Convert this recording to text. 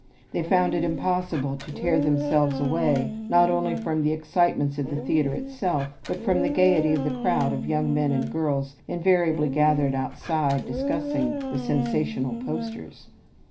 They found it impossible to tear themselves away not only from the excitements of the theater itself but from the gaiety of the crowd of young men and girls invariably gathered outside discussing the sensational posters.